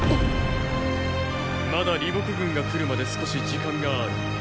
まだ李牧軍が来るまで少し時間がある。